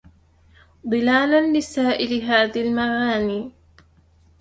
ضلالا لسائل هذي المغاني